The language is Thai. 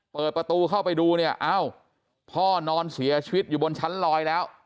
เปิดประตูเข้าไปดูเนี่ยเอ้าพ่อนอนเสียชีวิตอยู่บนชั้นลอยแล้ว